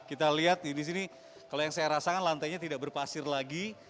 kita lihat di sini kalau yang saya rasakan lantainya tidak berpasir lagi